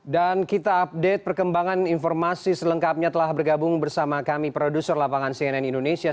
dan kita update perkembangan informasi selengkapnya telah bergabung bersama kami produser lapangan cnn indonesia